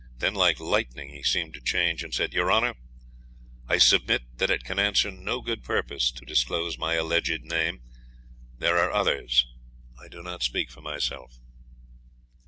Then like lightning he seemed to change, and said 'Your Honour, I submit that it can answer no good purpose to disclose my alleged name. There are others I do not speak for myself.'